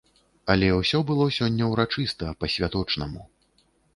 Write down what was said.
Але ўсё было сёння ўрачыста, па-святочнаму.